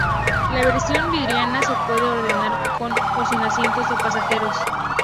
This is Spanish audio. La versión vidriada se puede ordenar con o sin asientos de pasajeros.